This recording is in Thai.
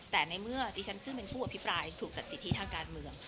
แต่ในเมื่อดิฉันซึ่งเป็นผู้อภิปรายถูกตัดสิทธิทางการเมือง